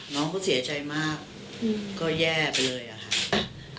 น้องเขาเสียใจมากก็แย่ไปเลยอะค่ะ